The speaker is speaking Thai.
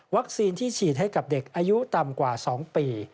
ที่ฉีดให้กับเด็กอายุต่ำกว่า๒ปี